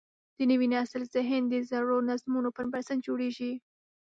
د نوي نسل ذهن د زړو نظمونو پر بنسټ جوړېږي.